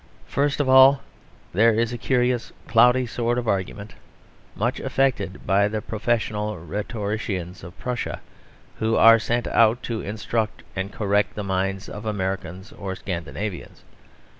First of all, there is a curious, cloudy sort of argument, much affected by the professional rhetoricians of Prussia, who are sent out to instruct and correct the minds of Americans or Scandinavians.